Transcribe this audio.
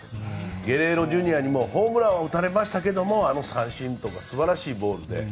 ゲレーロＪｒ．にもホームランは打たれましたがあの三振という素晴らしいボールで。